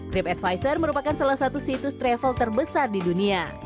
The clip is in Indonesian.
tripadvisor merupakan salah satu situs travel terbesar di dunia